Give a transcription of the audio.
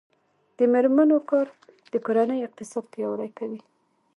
د میرمنو کار د کورنۍ اقتصاد پیاوړی کوي.